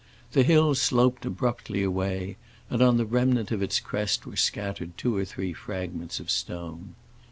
The hill sloped abruptly away, and on the remnant of its crest were scattered two or three fragments of stone.